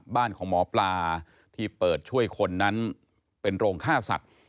บ้านของหมอปลาที่เปิดช่วยคนนั้นเป็นโรงฆ่าสัตว์